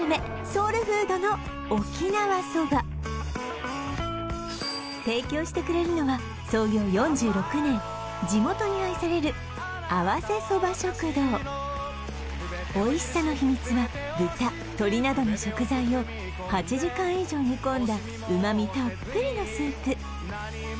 ソウルフードの沖縄そば提供してくれるのは創業４６年地元に愛されるアワセそば食堂おいしさの秘密は豚鶏などの食材を８時間以上煮込んだ旨みたっぷりのスープ